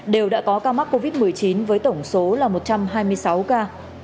đều đã có ca mắc covid một mươi chín với tổng số là một trăm hai mươi sáu ca